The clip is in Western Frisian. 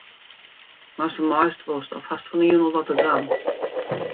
Meist wol mei ast wolst of hast fan 'e jûn al wat te dwaan?